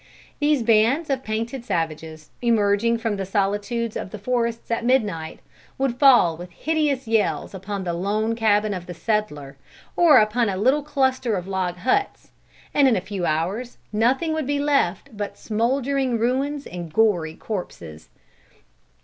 These bands of painted savages, emerging from the solitudes of the forests at midnight, would fall with hideous yells upon the lone cabin of the settler, or upon a little cluster of log huts, and in a few hours nothing would be left but smouldering ruins and gory corpses.